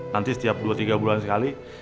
nanti setiap dua tiga bulan sekali